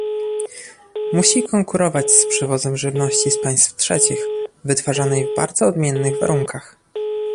Musi konkurować z przywozem żywności z państw trzecich, wytwarzanej w bardzo odmiennych warunkach